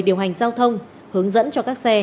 điều hành giao thông hướng dẫn cho các xe